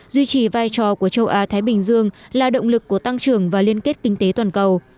duy trì vai trò của châu á thái bình dương là động lực của tăng trưởng và liên kết kinh tế toàn cầu